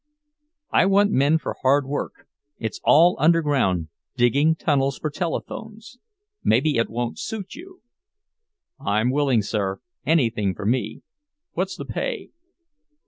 "I want men for hard work—it's all underground, digging tunnels for telephones. Maybe it won't suit you." "I'm willing, sir—anything for me. What's the pay?"